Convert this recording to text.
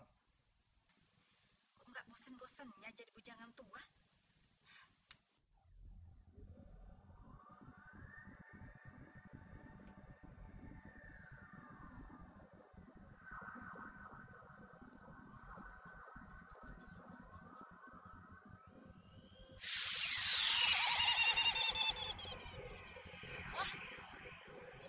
kok enggak bosen bosennya jadi puja ngantua